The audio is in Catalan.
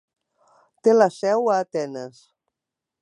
Té la seu a Atenes.